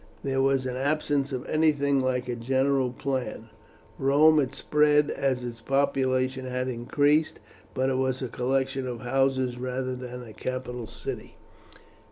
There was an absence of anything like a general plan. Rome had spread as its population had increased, but it was a collection of houses rather than a capital city.